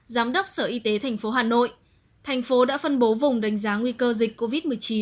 giám đốc sở y tế tp hà nội thành phố đã phân bố vùng đánh giá nguy cơ dịch covid một mươi chín